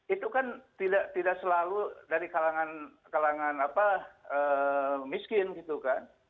itu kan tidak selalu dari kalangan miskin gitu kan